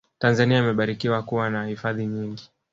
tanzania imebarikiwa kuwa na hifadhi nyingi